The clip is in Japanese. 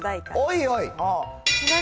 おいおい。